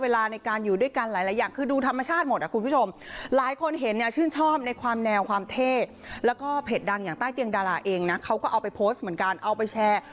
แล้วก็เพจดังอย่างใต้เตียงดาราเองนะเขาก็เอาไปโพสต์เหมือนกันเอาไปแชร์